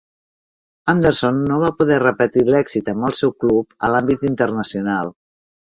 Anderson no va poder repetir l'èxit amb el seu club a l'àmbit internacional.